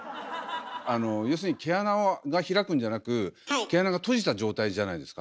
あの要するに毛穴が開くんじゃなく毛穴が閉じた状態じゃないですか。